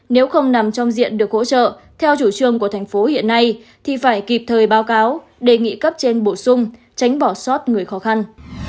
nếu không nằm trong diện được hỗ trợ theo chủ trương của thành phố hiện nay thì phải kịp thời báo cáo đề nghị cấp trên bổ sung tránh bỏ sót người khó khăn